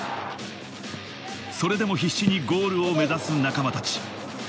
それでも必死にゴールを目指す仲間たち。